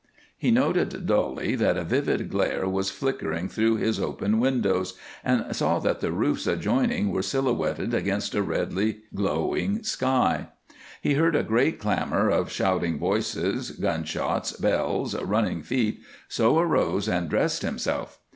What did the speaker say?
He noted dully that a vivid glare was flickering through his open windows, and saw that the roofs adjoining were silhouetted against a redly glowing sky; he heard a great clamor of shouting voices, gunshots, bells, running feet, so arose and dressed himself.